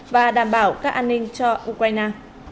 và đảm bảo các an ninh cho ukraine